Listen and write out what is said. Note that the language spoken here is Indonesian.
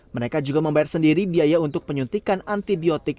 mereka juga membayar sendiri biaya untuk penyuntikan antibiotik